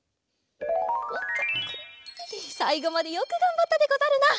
さいごまでよくがんばったでござるな。